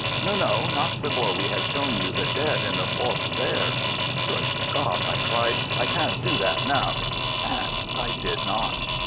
"No, no! not before we have shown you the dead in the fosse there." "Good God," I cried, "I can't do that now"; and I did n't.